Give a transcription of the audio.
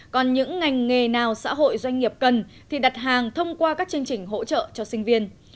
còn những ngành nghề nào xã hội doanh nghiệp cần thì đặt hàng thông qua các chương trình hỗ trợ cho sinh viên